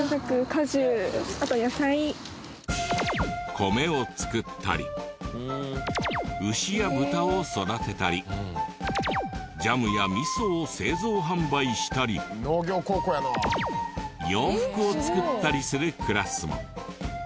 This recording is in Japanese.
米を作ったり牛や豚を育てたりジャムや味噌を製造販売したり洋服を作ったりするクラスも。